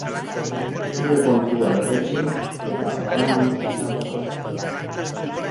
Zure kontua berretsi eta barruan izango zara.